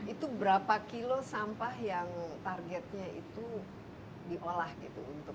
itu berapa kilo sampah yang targetnya itu diolah gitu